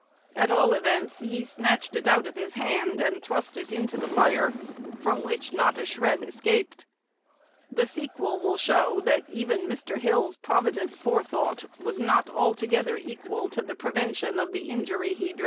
At all events, he snatched it out of his hand, and thrust it into the fire, from which not a shred escaped. The sequel will show that even Mr. Hill's provident forethought was not altogether equal to the prevention of the injury he dreaded.